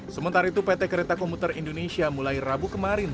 sementara itu pt kereta komuter indonesia mulai rabu kemarin